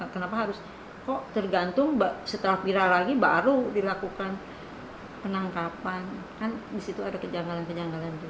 kenapa harus kok tergantung setelah viral lagi baru dilakukan penangkapan kan disitu ada kejanggalan kejanggalan juga